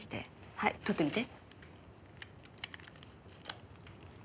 はい撮ってみて。